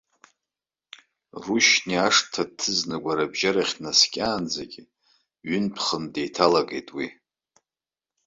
Рушьни ашҭа дҭыҵны агәарабжьарахь днаскьаанӡагьы, ҩынтә-хынтә деиҭалагеит уи.